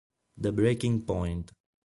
The Breaking Point